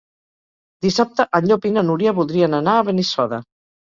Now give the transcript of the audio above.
Dissabte en Llop i na Núria voldrien anar a Benissoda.